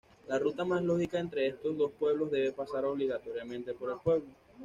La ruta más lógica entre estos dos pueblos debe pasar obligatoriamente por el pueblo.